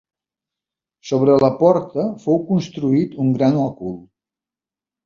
Sobre la porta fou construït un gran òcul.